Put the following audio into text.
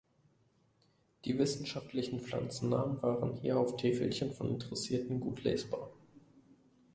Die wissenschaftlichen Pflanzennamen waren hier auf Täfelchen von Interessierten gut lesbar.